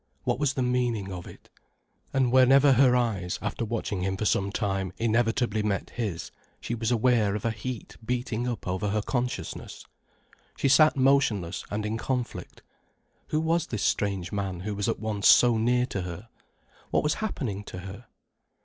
What was the meaning of it? And whenever her eyes, after watching him for some time, inevitably met his, she was aware of a heat beating up over her consciousness. She sat motionless and in conflict. Who was this strange man who was at once so near to her? What was happening to her?